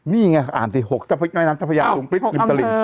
นี่ไงอ่านที่๖ทะพริกน้ำทะพยาตุ๋มปิ๊ดอิบตะหลิง